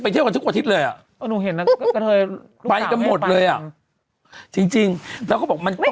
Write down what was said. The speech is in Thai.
แบบตัวไปแบบไม่ได้บ่อยแต่เคยไป